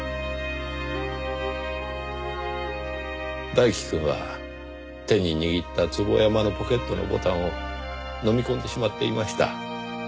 大樹くんは手に握った坪山のポケットのボタンを飲み込んでしまっていました。